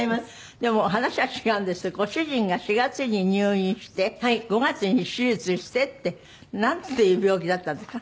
でも話は違うんですけどご主人が４月に入院して５月に手術してって。なんていう病気だったんですか？